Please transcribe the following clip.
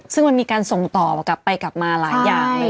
ซึ่งมันมีการส่งต่อกลับไปกลับมาหลายอย่าง